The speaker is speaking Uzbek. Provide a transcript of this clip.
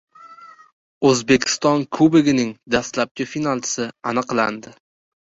O‘zbekiston Kubogining dastlabki finalchisi aniqlandi